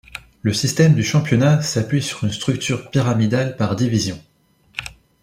Le système du championnat s'appuie sur une structure pyramidale par divisions.